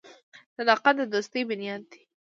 • صداقت د دوستۍ بنیاد دی.